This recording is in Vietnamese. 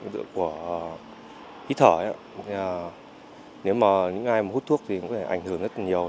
và hít thở nếu mà những ai mà hút thuốc thì cũng có thể ảnh hưởng rất là nhiều